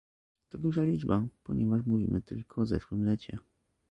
To duża liczba, ponieważ mówimy tylko o zeszłym lecie